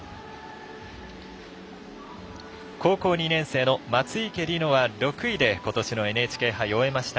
高校２年生の松生理乃は６位でことしのＮＨＫ杯を終えました。